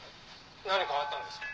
何かあったんですか？